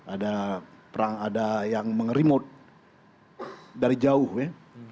ada perang ada yang meng remote dari jauh ya